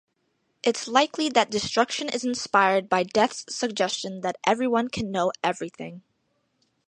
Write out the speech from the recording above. It's likely that Destruction is inspired by Death's suggestion that everyone can know everything.